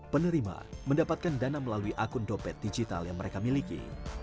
penerima mendapatkan dana melalui akun dompet digital yang mereka miliki